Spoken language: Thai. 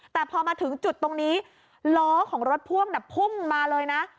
แต่พอมาถึงจุดตรงนี้ล้อของรถพ่วงพุ่งมาเลยนะ